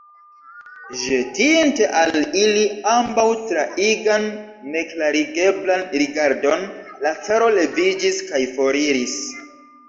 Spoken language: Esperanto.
Ĵetinte al ili ambaŭ traigan neklarigeblan rigardon, la caro leviĝis kaj foriris.